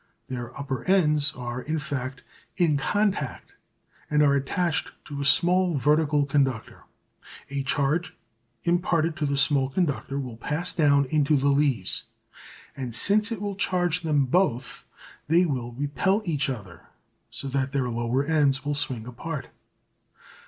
Their upper ends are, in fact, in contact and are attached to a small vertical conductor. A charge imparted to the small conductor will pass down into the leaves, and since it will charge them both they will repel each other so that their lower ends will swing apart.